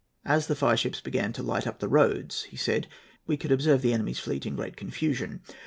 "As the fireships began to light up the roads," he said, "we could observe the enemy's fleet in great confusion.